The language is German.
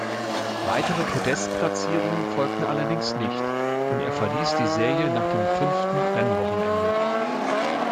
Weitere Podest-Platzierungen folgten allerdings nicht und er verließ die Serie nach dem fünften Rennwochenende.